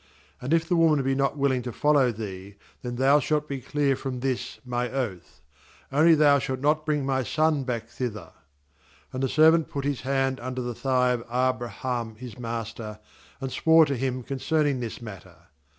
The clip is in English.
8And if the woman be not willing to follow thee, then thou shalt be clear from this my oath; only thou shalt not bring my son back thither.' 'And the serv ant put his hand under the thigh of A.braham his master, and swore to him concerning this matter.